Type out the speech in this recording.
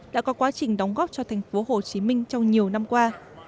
đã có quá trình đóng góp cho thành phố hồ chí minh trong nhiều năm qua